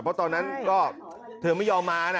เพราะตอนนั้นก็เธอไม่ยอมมานะ